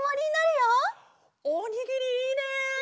おにぎりいいね！